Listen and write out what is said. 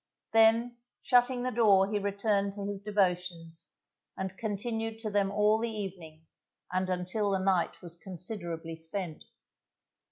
Then shutting the door he returned to his devotions, and continued to them all the evening and until the night was considerably spent.